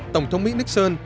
tổng thống mỹ nixon